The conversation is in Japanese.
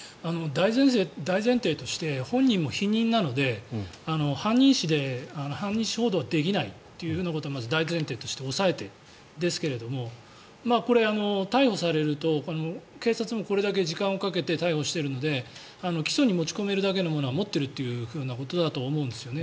大前提として本人も否認なので犯人視報道はできないということはまず大前提として押さえてですがこれ、逮捕されると警察もこれだけ時間をかけて逮捕しているので起訴に持ち込めるだけのものは持っているということだと思うんですよね。